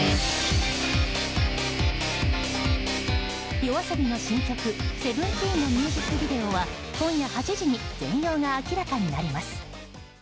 ＹＯＡＳＯＢＩの新曲「セブンティーン」のミュージックビデオは今夜８時に全容が明らかになります。